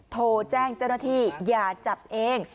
โทรแจ้งเจ้าหน้าที่อย่าจับเอง